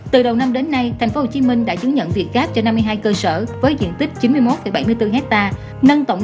từ đầu năm đến nay tp hcm đã chứng nhận việt gáp cho năm mươi hai cơ sở với diện tích chín mươi một bảy mươi bốn hectare